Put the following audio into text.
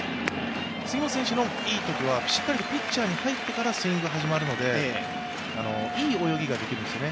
杉本選手のいいときはしっかりピッチャーに入ってからスイングが始まるのでいい泳ぎができるんですよね。